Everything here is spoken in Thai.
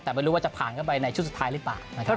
แต่ไม่รู้ว่าจะผ่านเข้าไปในชุดสุดท้ายหรือเปล่านะครับ